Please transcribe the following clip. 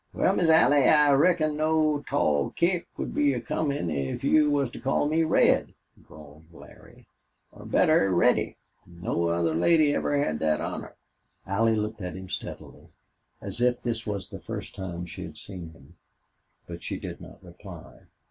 "Wal, Miss Allie, I reckon no tall kick would be a comin' if you was to call me Red," drawled Larry. "Or better Reddy. No other lady ever had thet honor." Allie looked at him steadily, as if this was the first time she had seen him, but she did not reply.